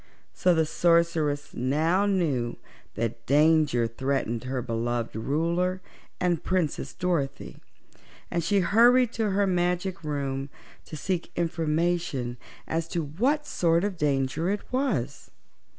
So the Sorceress now knew that danger threatened her beloved Ruler and Princess Dorothy, and she hurried to her magic room to seek information as to what sort of danger it was.